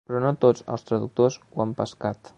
Però no tots els traductors ho han pescat.